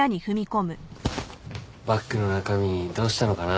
バッグの中身どうしたのかな？